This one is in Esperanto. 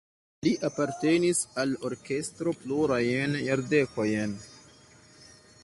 Li apartenis al orkestro plurajn jardekojn.